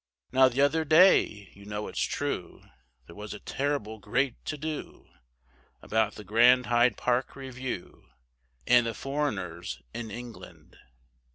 Now the other day, you know its true, There was a terrible great to do, About the grand Hyde Park review, And the foreigners in England.